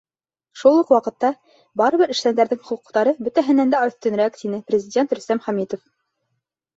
Шул уҡ ваҡытта барыбер эшсәндәрҙең хоҡуҡтары бөтәһенән дә өҫтөнөрәк, —тине Президент Рөстәм Хәмитов.